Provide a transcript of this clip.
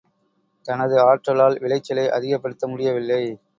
தனது ஆற்றலால் விளைச்சலை அதிகப்படுத்த முடியவில்லை.